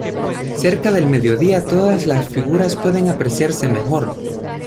Cerca del medio día todas las figuras pueden apreciarse mejor.